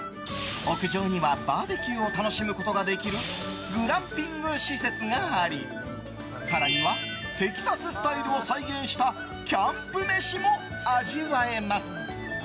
屋上にはバーベキューを楽しむことができるグランピング施設があり更にはテキサススタイルを再現したキャンプ飯も味わえます。